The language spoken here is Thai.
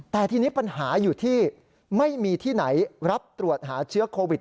แต่ทีนี้ปัญหาอยู่ที่ไม่มีที่ไหนรับตรวจหาเชื้อโควิด